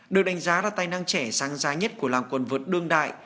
được đánh giá là tài năng trẻ sáng giá nhất của làng quần vượt đương đại